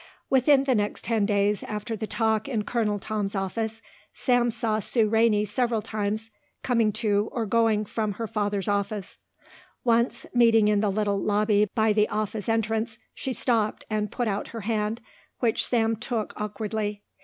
Within the next ten days after the talk in Colonel Tom's office Sam saw Sue Rainey several times coming to or going from her father's office. Once, meeting in the little lobby by the office entrance, she stopped and put out her hand which Sam took awkwardly.